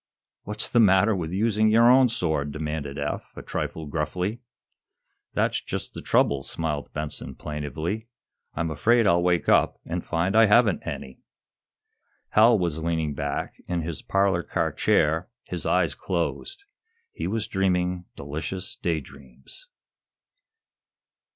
"What's the matter with using your own sword?" demanded Eph, a trifle gruffly. "That's just the trouble," smiled Benson, plaintively. "I'm afraid I'll wake up and find I haven't any." Hal was leaning back in his parlor car chair, his eyes closed. He was dreaming delicious daydreams.